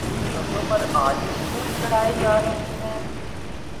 قبروں پر آج بھی پھول چڑھائے جا رہے ہیں